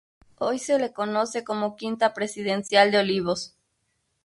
Hoy se la conoce como Quinta presidencial de Olivos.